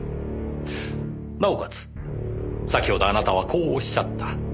なおかつ先ほどあなたはこう仰った。